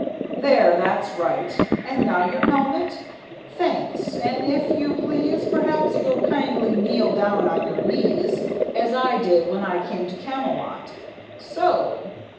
There, that's right; And now your helmet? Thanks; and if you please Perhaps you'll kindly kneel down on your knees, As I did when I came to Camelot; So!